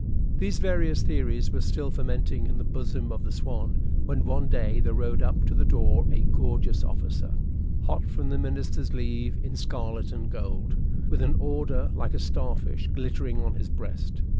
These various theories were still fermenting in the bosom of the "Swan," when one day there rode up to the door a gorgeous officer, hot from the minister's levee, in scarlet and gold, with an order like a star fish glittering on his breast.